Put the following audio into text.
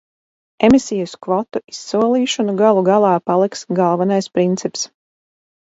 Emisijas kvotu izsolīšana galu galā paliks galvenais princips.